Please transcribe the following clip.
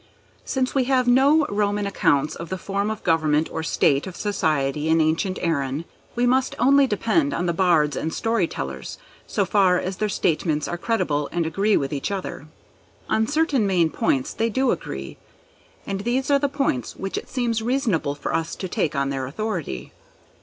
Since we have no Roman accounts of the form of government or state of society in ancient Erin, we must only depend on the Bards and Story tellers, so far as their statements are credible and agree with each other. On certain main points they do agree, and these are the points which it seems reasonable for us to take on their authority.